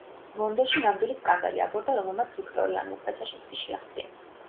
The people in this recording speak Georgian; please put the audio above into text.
ლონდონში ნამდვილი სკანდალი აგორდა, რომელმაც ვიქტორიანულ პრესაშიც კი შეაღწია.